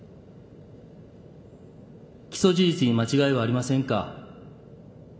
起訴事実に間違いはありませんか？